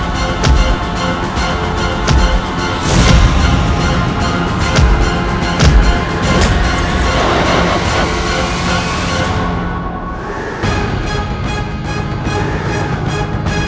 darah suci itu milikku